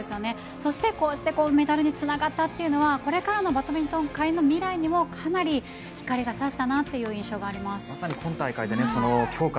そしてこうしてメダルにつながったというのはこれからのバドミントン界の未来にもかなり光が差した印象があります。